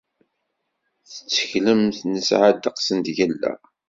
Tetteklemt nesɛa ddeqs n tgella?